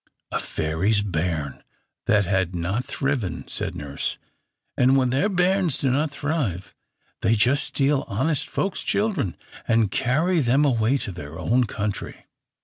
"A fairy's bairn that had not thriven," said nurse; "and when their bairns do not thrive, they just steal honest folks' children and carry them away to their own country."